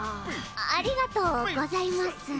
ありがとうございます。